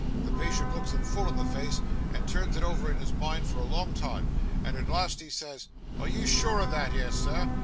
The patient looks him full in the face, and turns it over in his mind for a long time, and at last he says, "Are you sure o' that 'ere, Sir?"